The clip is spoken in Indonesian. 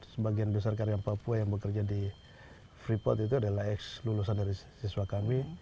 sebagian besar karyawan papua yang bekerja di freeport itu adalah ex lulusan dari siswa kami